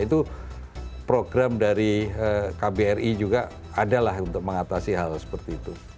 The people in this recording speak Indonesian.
itu program dari kbri juga adalah untuk mengatasi hal seperti itu